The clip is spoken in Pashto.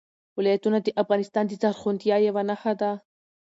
ولایتونه د افغانستان د زرغونتیا یوه نښه ده.